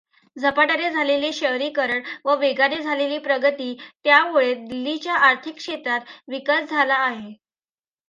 झपाट्याने झालेले शहरीकरण व वेगाने झालेली प्रगती त्यामुळे दिल्लीचा आर्थिक क्षेत्रात विकास झाला आहे.